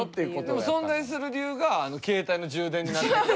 でも存在する理由が携帯の充電になって。